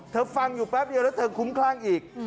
ฟังอยู่แป๊บเดียวแล้วเธอคุ้มคลั่งอีก